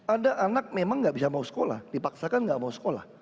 ada anak memang nggak bisa mau sekolah dipaksakan nggak mau sekolah